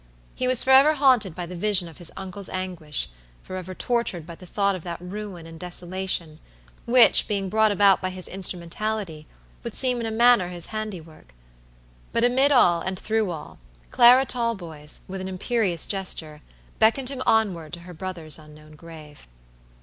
He was forever haunted by the vision of his uncle's anguish, forever tortured by the thought of that ruin and desolation which, being brought about by his instrumentality, would seem in a manner his handiwork. But amid all, and through all, Clara Talboys, with an imperious gesture, beckoned him onward to her brother's unknown grave.